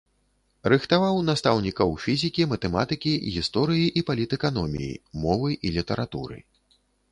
Рыхтаваў настаўнікаў фізікі, матэматыкі, гісторыі і палітэканоміі, мовы і літаратуры.